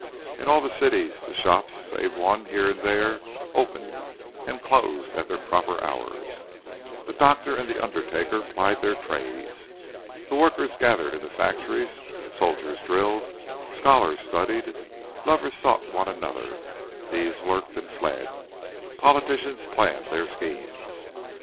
In all the cities the shops, save one here and there, opened and closed at their proper hours, the doctor and the undertaker plied their trades, the workers gathered in the factories, soldiers drilled, scholars studied, lovers sought one another, thieves lurked and fled, politicians planned their schemes.